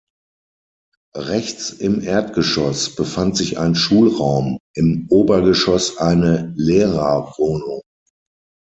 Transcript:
Rechts im Erdgeschoss befand sich ein Schulraum, im Obergeschoss eine Lehrerwohnung.